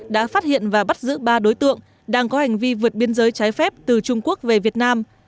đã phát hiện và bắt giữ ba đối tượng đang có hành vi vượt biên giới trái phép từ trung quốc về việt nam